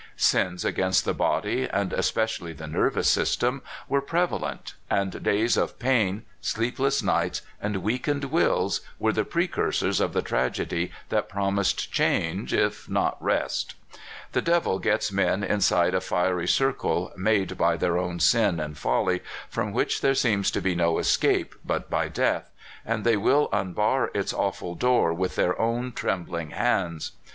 Sins against the body, and especially the nervous system, were prevalent; and days of pain, sleepless nights, and weakened wills were the precursors of the tragedy that promised change, if not rest. The devil gets men inside a fiery cir cle, made by their own sin and folly, from which there seems to be no escape but b}' death, and they will unbar its awful door with their own trembling hands.